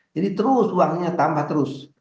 jadi terus uangnya tambah terus